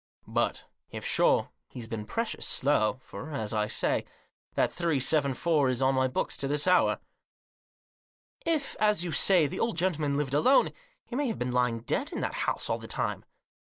But, if sure, he's been precious slow; for, as I say, that three seven four is on my books to this hour." " If, as you say, the old gentleman lived alone, he may have been lying dead in the house all the time."